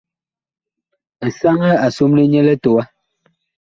Esanɛ a somle nyɛ litowa.